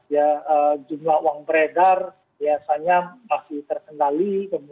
ya jumlah uang beredar biasanya masih terkendali